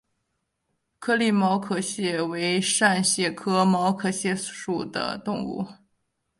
颗粒毛壳蟹为扇蟹科毛壳蟹属的动物。